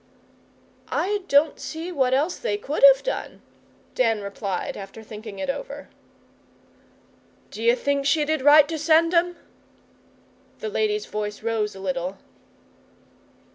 'I don't see what else they could have done,' Dan replied, after thinking it over. 'D'you think she did right to send 'em?' The lady's voice rose a little.